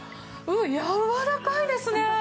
やわらかいですね。